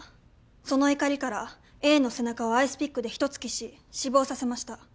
その怒りからＡの背中をアイスピックで一突きし死亡させました。